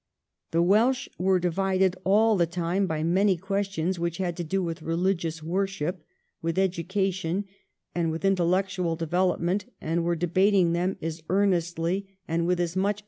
The Welsh were divided all the time by many questions which had to do with religious worship, with education, and with intellectual development, and were debating them as earnestly and with as much 330 THE REIGN OF QUEEN ANNE. ch.